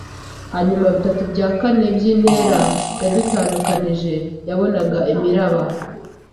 hanyuma bitatu bya kane byintera yadutandukanije. Nabonaga imiraba